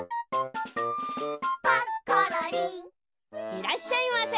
いらっしゃいませ。